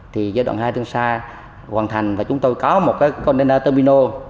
thì giai đoạn hai tiêm xa hoàn thành và chúng tôi có một cái container terminal